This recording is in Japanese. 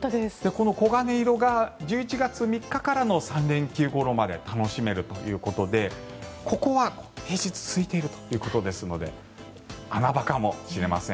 この黄金色が１１月３日ごろの３連休まで楽しめるということでここは平日すいているということですので穴場かもしれません。